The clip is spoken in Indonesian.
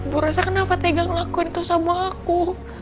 bu rasa kenapa tegang lakuin itu sama aku